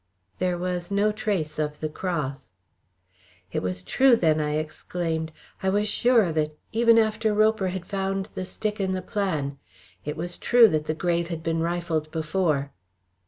"There was no trace of the cross." "It was true then!" I exclaimed. "I was sure of it, even after Roper had found the stick and the plan. It was true that grave had been rifled before."